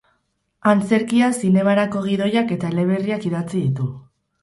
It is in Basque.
Antzerkia, zinemarako gidoiak eta eleberriak idatzi ditu.